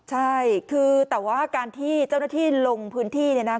ใช่คือแต่ว่าการที่เจ้าหน้าที่ลงพื้นที่เนี่ยนะ